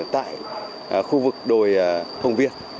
tại khu vực đồi hồng việt